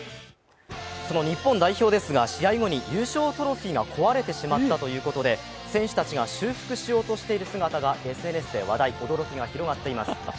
その日本代表ですが、試合後に優勝トロフィーが壊れてしまったそうで選手たちが修復しようとしている姿がＳＮＳで話題、驚きが広がっています。